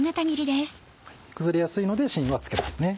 崩れやすいので芯は付けますね。